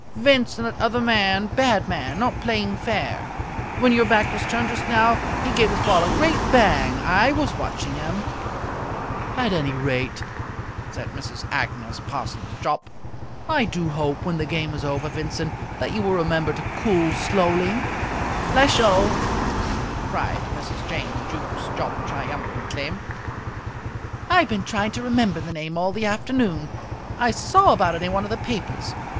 "Vincent, that other man bad man not playing fair. When your back was turned just now, he gave his ball a great bang. I was watching him." "At any rate," said Mrs. Agnes Parsons Jopp, "I do hope, when the game is over, Vincent, that you will remember to cool slowly." "Flesho!" cried Mrs. Jane Jukes Jopp triumphantly. "I've been trying to remember the name all the afternoon. I saw about it in one of the papers.